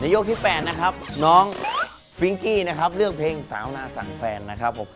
ยกที่๘นะครับน้องฟิงกี้นะครับเลือกเพลงสาวนาสั่งแฟนนะครับผม